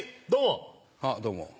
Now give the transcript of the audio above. どうも！